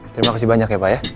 terima kasih banyak ya pak ya